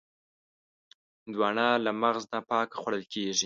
هندوانه له مغز نه پاکه خوړل کېږي.